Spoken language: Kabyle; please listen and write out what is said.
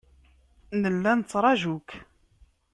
Nella nettraju-k.